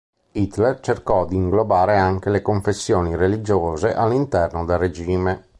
Hitler cercò di inglobare anche le confessioni religiose all'interno del regime.